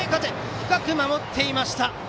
深く守っていました。